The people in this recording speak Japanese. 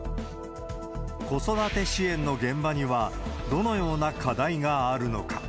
子育て支援の現場には、どのような課題があるのか。